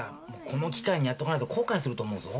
この機会にやっとかないと後悔すると思うぞ。